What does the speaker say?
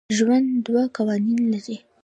ژوند دوه قوانین لري.